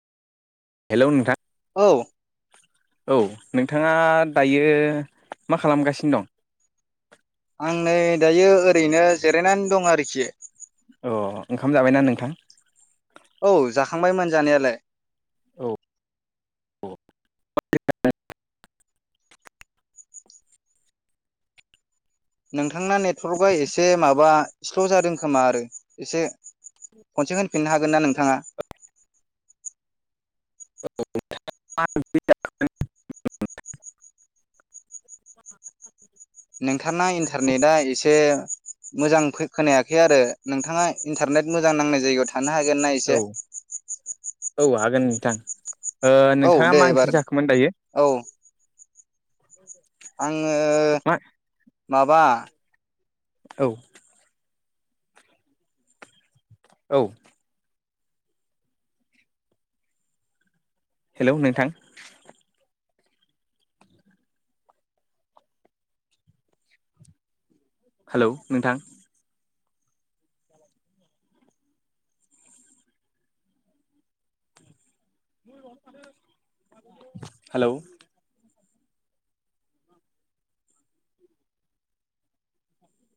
Hello नोंथां। औ औ नोंथाङा दायो मा खालामगासिनो दं? आं नै दायो ओरैनो जिरायनानै दं आरोखि। अ ओंखाम जाबायना नोंथां। औ जाखांबायमोन जानायालाय औ औ [unintelligible] नोंथांना नेट्रकआ एसे माबा स्ल' जादों खोमा आरो एसे खनसे होनफिननो हागोन ना नोंथाङा। [unintelligible] नोंथांना इन्टारनेटआ एसे मोजां खोनायाखै आरो नोंथाङा इन्टारनेट मोजां नांनाय जायगायाव थां । थानो हागोन ना एसे? गोन नोंथां। ओ औ नोंथाङा दे मा ओंख्रि एबार जाखोमोन दायो? औ [unintelligible] आङो मा माबा औ। औ। हेलौ नोंथां। हेलौ नोंथां। हालौ